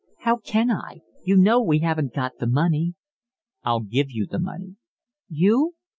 "How can I? You know we haven't got the money." "I'll give you the money." "You?"